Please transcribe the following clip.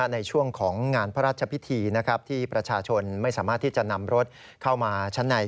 ในช่วงของงานพระราชพิธีที่ประชาชนไม่สามารถที่จะนำรถเข้ามาชั้นใน